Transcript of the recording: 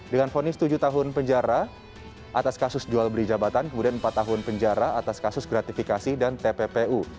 dengan fonis tujuh tahun penjara atas kasus jual beli jabatan kemudian empat tahun penjara atas kasus gratifikasi dan tppu